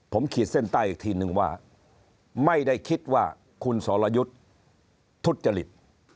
ผมขีดเส้นใต้อีกทีนึงว่าไม่ได้คิดว่าคุณสรยุทธ์ทุจจริต